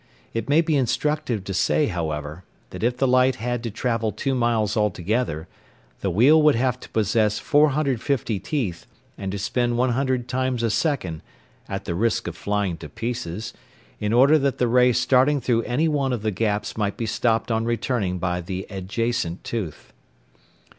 It may be instructive to say, however, that if the light had to travel two miles altogether, the wheel would have to possess 450 teeth and to spin 100 times a second (at the risk of flying to pieces) in order that the ray starting through any one of the gaps might be stopped on returning by the adjacent tooth.